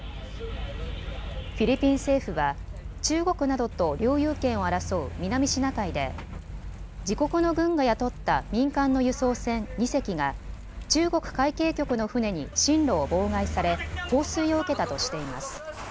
フィリピン政府は中国などと領有権を争う南シナ海で自国の軍が雇った民間の輸送船２隻が中国海警局の船に進路を妨害され放水を受けたとしています。